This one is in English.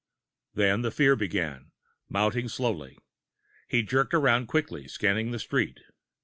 Then the fear began, mounting slowly. He jerked around quickly, scanning the street.